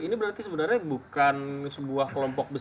ini berarti sebenarnya bukan sebuah kelompok besar